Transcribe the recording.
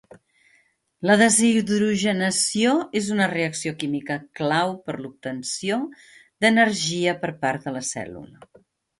La deshidrogenació és una reacció química clau per l'obtenció d'energia per part de la cèl·lula.